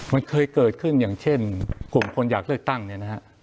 มันเคยเกิดขึ้นอย่างเช่นกลุ่มคนอยากเลือกตั้งเนี่ยนะฮะ